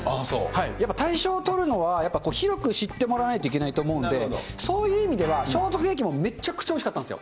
やっぱ大賞を取るのは、やっぱ広く知ってもらわないといけないと思うので、そういう意味では、ショートケーキもめっちゃくちゃおいしかったんですよ。